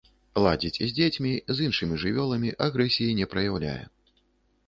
Ладзіць з дзецьмі, з іншымі жывёламі агрэсіі не праяўляе.